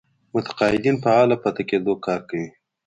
متقاعدين فعاله پاتې کېدو کار کوي.